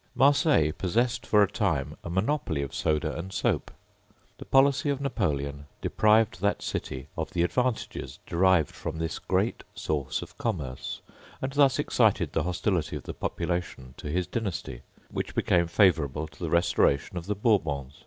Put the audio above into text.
Marseilles possessed for a time a monopoly of soda and soap. The policy of Napoleon deprived that city of the advantages derived from this great source of commerce, and thus excited the hostility of the population to his dynasty, which became favourable to the restoration of the Bourbons.